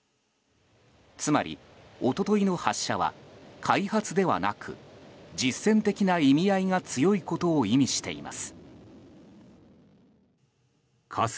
つまり、一昨日の発射は開発ではなく実戦的な意味合いが強いことを意味しています。